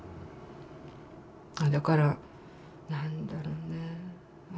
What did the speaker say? だから何だろうねでもな